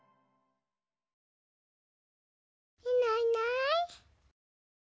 いないいない。